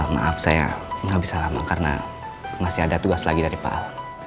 maaf saya nggak bisa lama karena masih ada tugas lagi dari pak ahok